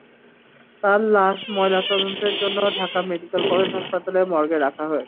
তাঁর লাশ ময়নাতদন্তের জন্য ঢাকা মেডিকেল কলেজ হাসপাতালের মর্গে রাখা হয়েছে।